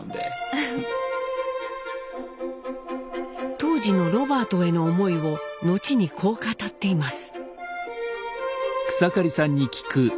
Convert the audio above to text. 当時のロバートへの思いを後にこう語っています。